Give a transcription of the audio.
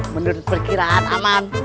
menurut perkiraan aman